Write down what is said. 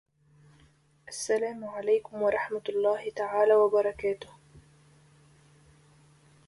Several societies exist for black students within the university.